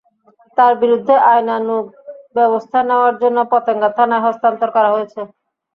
তাঁর বিরুদ্ধে আইনানুগ ব্যবস্থা নেওয়ার জন্য পতেঙ্গা থানায় হস্তান্তর করা হয়েছে।